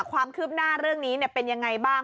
ความคืบหน้าเรื่องนี้เป็นยังไงบ้าง